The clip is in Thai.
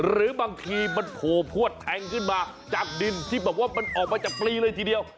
หรือบางทีมันโผล่พวดแทงขึ้นมาจากดินที่แบบว่ามันออกมาจากปลีเลยทีเดียว